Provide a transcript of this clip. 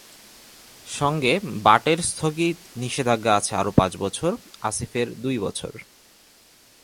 সঙ্গে বাটের স্থগিত নিষেধাজ্ঞা আছে আরও পাঁচ বছর, আসিফের দুই বছর।